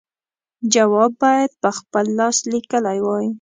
جواب باید په خپل لاس لیکلی وای.